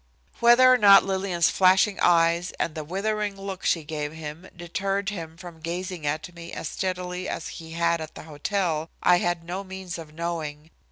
Whether or not Lillian's flashing eyes and the withering look she gave him deterred him from gazing at me as steadily as he had at the hotel I had no means of knowing.